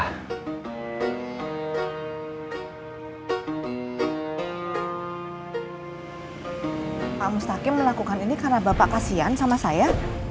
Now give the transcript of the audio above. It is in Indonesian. pak mustaqim melakukan ini karena bapak kasian sama saya